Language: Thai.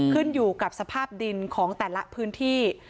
ขึ้นอยู่กับสภาพดินของแต่ละพื้นที่